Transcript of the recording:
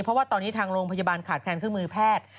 เพราะว่าตอนนี้ทางโรงพยาบาลขาดแคลนเครื่องมือแพทย์